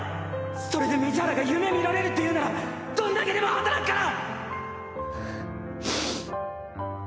それで水原が夢見られるっていうならどんだけでも働くからはぁううっ。